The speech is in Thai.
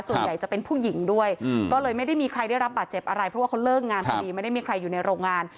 ส่วนใหญ่จะเป็นผู้หญิงด้วยก็เลยไม่ได้มีใครได้รับบาดเจ็บอะไรเพราะว่าเขาเลิกงานพอดีไม่ได้มีใครอยู่ในโรงงาน